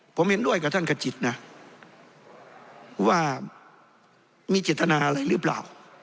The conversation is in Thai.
ผมเห็นด้วยกับท่านขจิตนะว่ามีเจตนาอะไรหรือเปล่า